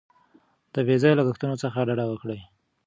د بې ځایه لګښتونو څخه ډډه وکړئ.